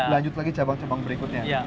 lanjut lagi cabang cabang berikutnya